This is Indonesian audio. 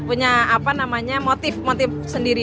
punya apa namanya motif motif sendiri